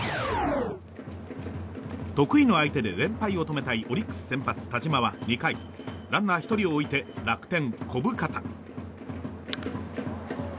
得意の相手で連敗を止めたいオリックス先発、田嶋はランナー１人を置いて楽天、小深田。